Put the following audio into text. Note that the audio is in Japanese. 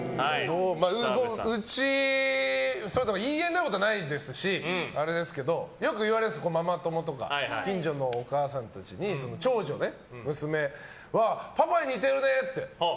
うち、言い合いになったことはないですし、あれですけどよく言われるんです、ママ友とか近所のお母さんたちに長女、娘はパパに似てるね。